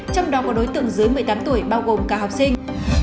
trong đó có đối tượng dưới một mươi tám tuổi bao gồm cả học sinh